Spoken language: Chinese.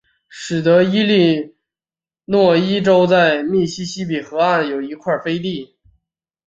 使得伊利诺伊州在密西西比河西岸有一块飞地。